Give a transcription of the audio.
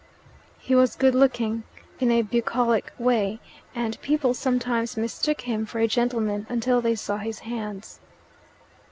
He was good looking in a bucolic way, and people sometimes mistook him for a gentleman until they saw his hands.